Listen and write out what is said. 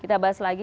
kita bahas lagi